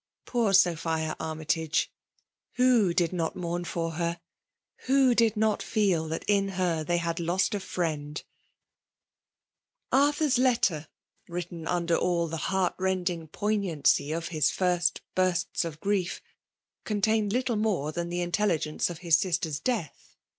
Poor Sophia Armytage — who did not mourn for her? — Who did not feel that in her they had lost a friend ? Artlmr's letter, written under all the heaart rending poignancy of his first bursts of grief, contained little more than the intelligence of his sister's death.